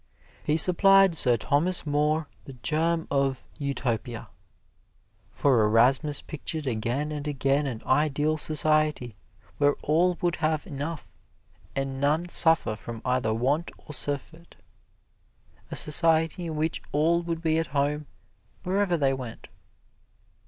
He supplied Sir Thomas More the germ of "Utopia," for Erasmus pictured again and again an ideal society where all would have enough, and none suffer from either want or surfeit a society in which all would be at home wherever they went.